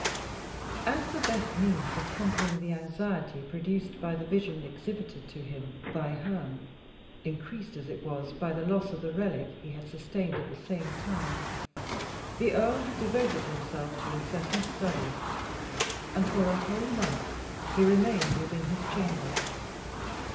As the best means of conquering the anxiety produced by the vision exhibited to him by Herne, increased as it was by the loss of the relic he had sustained at the same time, the earl had devoted himself to incessant study, and for a whole month he remained within his chamber.